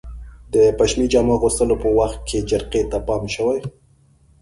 د پشمي جامو اغوستلو په وخت کې جرقې ته پام شوی؟